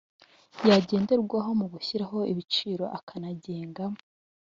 Yagenderwaho mu gushyiraho ibiciro akanagenga